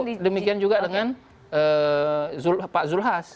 tapi demikian juga dengan pak zulhas